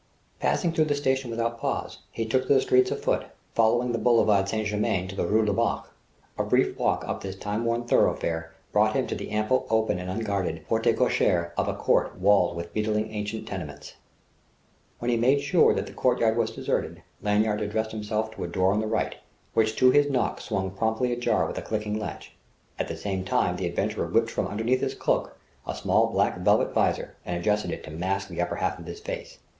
Passing through the station without pause, he took to the streets afoot, following the boulevard St. Germain to the rue du Bac; a brief walk up this time worn thoroughfare brought him to the ample, open and unguarded porte cochére of a court walled with beetling ancient tenements. When he had made sure that the courtyard was deserted, Lanyard addressed himself to a door on the right; which to his knock swung promptly ajar with a clicking latch. At the same time the adventurer whipped from beneath his cloak a small black velvet visor and adjusted it to mask the upper half of his face.